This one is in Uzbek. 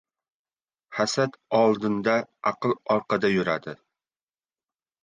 • Hasad oldinda, aql orqada yuradi.